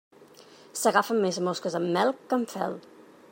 S'agafen més mosques amb mel que amb fel.